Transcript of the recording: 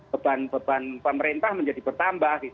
beban beban pemerintah menjadi bertambah